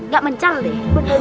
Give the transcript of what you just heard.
gak mencang deh